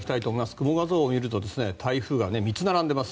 雲画像を見ると台風が３つ並んでいます。